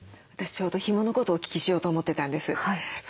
私ちょうどひものことをお聞きしようと思ってたんです。